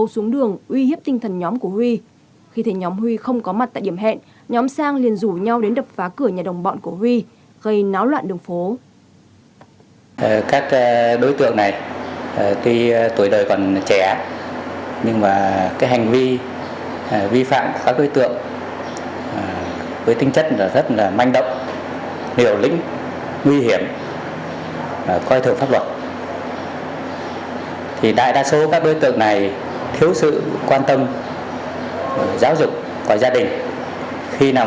xuống tiếp cận nạn nhân mang bình dưỡng khí